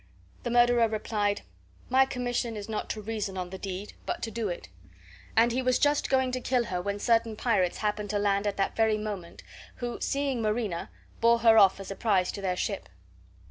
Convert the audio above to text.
The murderer replied, "My commission is not to reason on the deed, but to do it." And he was just going to kill her when certain pirates happened to land at that very moment, who, seeing Marina, bore her off as a prize to their ship.